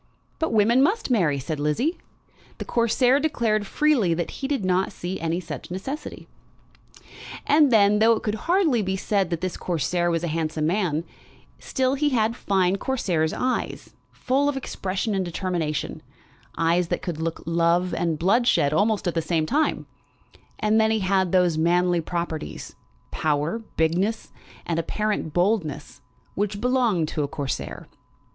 "But women must marry," said Lizzie. The Corsair declared freely that he did not see any such necessity. And then, though it could hardly be said that this Corsair was a handsome man, still he had fine Corsair's eyes, full of expression and determination, eyes that could look love and bloodshed almost at the same time; and then he had those manly properties, power, bigness, and apparent boldness, which belong to a Corsair.